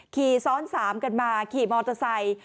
ขี่ซ้อนสามกันมาขี่มอเตอร์ไซค์